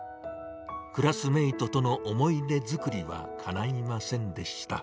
クラスメートとの思い出作りはかないませんでした。